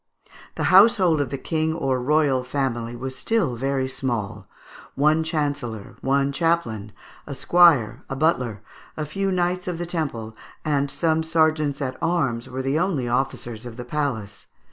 The household of the King or royal family was still very small: one chancellor, one chaplain, a squire, a butler, a few Knights of the Temple, and some sergeants at arms were the only officers of the palace.